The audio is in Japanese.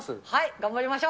頑張りましょう。